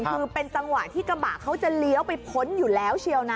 คือเป็นจังหวะที่กระบะเขาจะเลี้ยวไปพ้นอยู่แล้วเชียวนะ